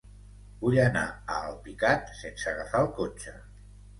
Vull anar a Alpicat sense agafar el cotxe.